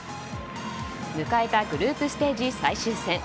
迎えたグループステージ最終戦。